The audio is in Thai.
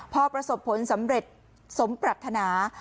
พอประสบผลสำเร็จสมปรัฐนา